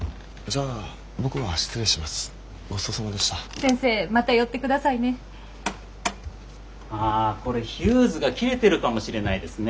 ああこれヒューズが切れてるかもしれないですね。